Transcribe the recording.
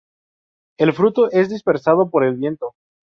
El fruto es dispersado por el viento.